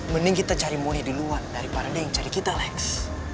mending kita cari monnya di luar daripada dia yang cari kita leks